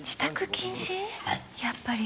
やっぱり。